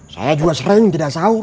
saya juga sering tidak tahu